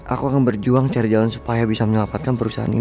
aku akan berjuang cari jalan supaya bisa menyelamatkan perusahaan ini